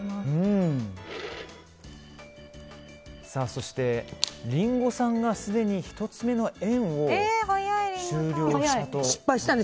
そして、リンゴさんがすでに１つ目の円を終了したと。